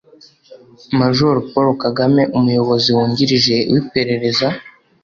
majoro paul kagame: umuyobozi wungirije w'iperereza